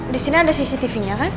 disini ada cctv nya kan